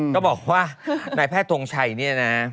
ก็บอกว่านายแพทย์ทงชัยเนี่ยนะ